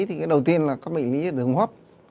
thì cái đầu tiên là các bệnh lý là đường hấp